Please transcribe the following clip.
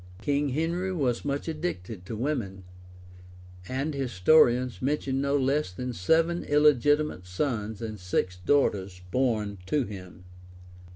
King Henry was much addicted to women; and historians mention no less than seven illegitimate sons and six daughters born to him.